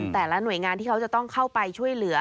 แต่ละหน่วยงานที่เขาจะต้องเข้าไปช่วยเหลือ